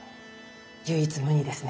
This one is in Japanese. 唯一無二ですね。